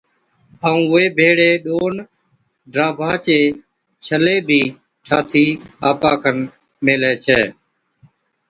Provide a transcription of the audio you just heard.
ائُون وي ڀيڙَي ڏون ڊاڀا چي ڇلي بِي ٺاھتِي آپا کن ميھلَي ڇَي